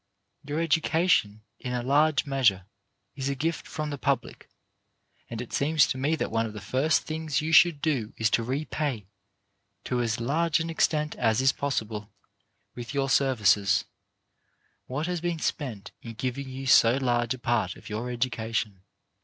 Your education, in a large measure, is a gift from the public, and it seems to me that one WHAT YOU OUGHT TO DO 199 of the first things you should do is to repay, to as large an extent as is possible with your services, what has been spent in giving you so large a part of your education.